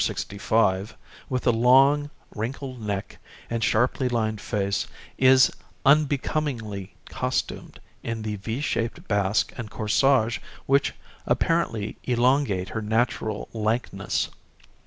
with the long, wrinkled neck and sharply lined face is unbecomingly costumed in the V shaped basque and corsage which apparently elongate her natural lankness.